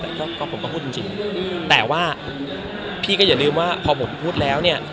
แต่ก็ผมก็พูดจริงแต่ว่าพี่ก็อย่าลืมว่าพอผมพูดแล้วเนี่ย